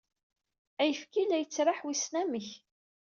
Ayefki la yettraḥ wissen amek.